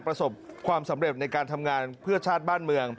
ประสบความสำเร็จในการทำงานเพื่อชาติบ้านเมือง